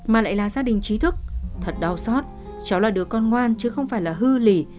mà lại là gia đình trí thức thật đau xót cháu là đứa con ngoan chứ không phải là hư lỉ